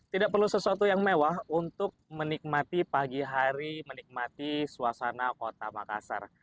tidak perlu sesuatu yang mewah untuk menikmati pagi hari menikmati suasana kota makassar